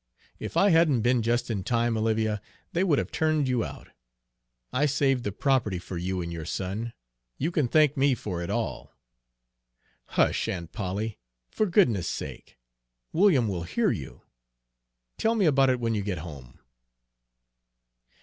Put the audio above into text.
If I hadn't been just in time, Olivia, they would have turned you out. I saved the property for you and your son! You can thank me for it all!" "Hush, Aunt Polly, for goodness' sake! William will hear you. Tell me about it when you get home."